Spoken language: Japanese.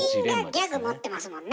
全員がギャグ持ってますもんね。